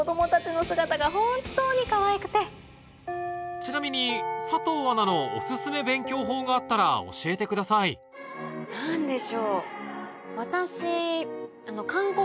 ちなみに佐藤アナのオススメ勉強法があったら教えてください何でしょう。